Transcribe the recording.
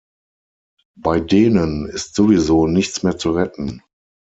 Bei denen ist sowieso nichts mehr zu retten.